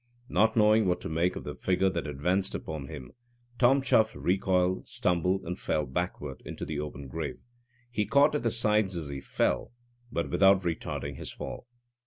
Not knowing what to make of the figure that advanced upon him, Tom Chuff recoiled, stumbled, and fell backward into the open grave. He caught at the sides as he fell, but without retarding his fall.